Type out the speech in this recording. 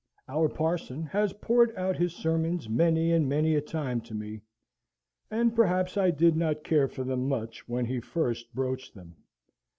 Our parson has poured out his sermons many and many a time to me, and perhaps I did not care for them much when he first broached them.